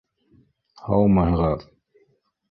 — Һаумыһығыҙ!